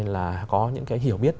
là có những cái hiểu biết